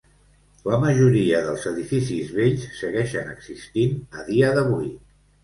La majoria dels edificis vells segueixen existint a dia d'avui.